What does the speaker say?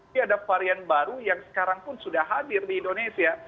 ini ada varian baru yang sekarang pun sudah hadir di indonesia